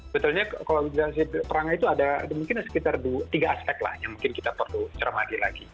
betulnya kalau kita lihat si perangai itu ada mungkin sekitar tiga aspek lah yang mungkin kita perlu cermati lagi